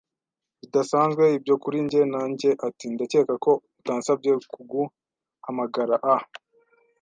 bidasanzwe ibyo, kuri njye na njye. ” Ati: “Ndakeka ko utansabye kuguhamagara a